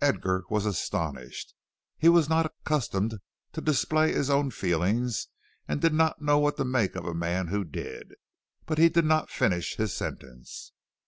Edgar was astonished. He was not accustomed to display his own feelings, and did not know what to make of a man who did. But he did not finish his sentence.